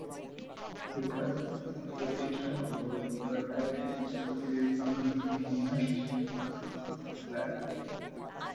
বিখ্যাত প্রযুক্তি প্রতিষ্ঠান গুগল এবার ডায়াবেটিস রোগীদের জন্য নিয়ে আসছে স্মার্ট কনট্যাক্ট লেন্স।